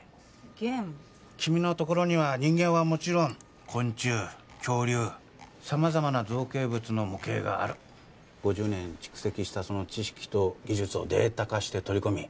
ゲーム⁉君のところには人間はもちろん昆虫恐竜様々な造形物の模型がある５０年蓄積したその知識と技術をデータ化して取り込み